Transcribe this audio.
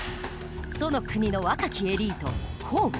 楚の国の若きエリート項羽。